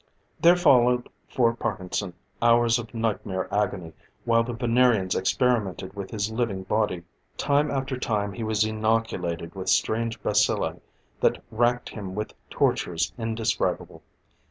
There followed for Parkinson hours of nightmare agony, while the Venerians experimented with his living body. Time after time he was inoculated with strange bacilli that wracked him with tortures indescribable.